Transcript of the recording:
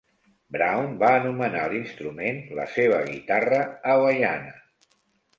Brown va anomenar l'instrument "la seva guitarra hawaiana".